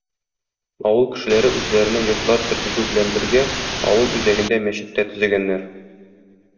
Авыл кешеләре үзләренә йортлар тергезү белән бергә авыл үзәгендә мәчет тә төзегәннәр.